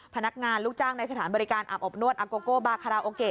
พนักงานลูกจ้างในสถานบริการอาบอบนวดอาโกโกบาคาราโอเกะ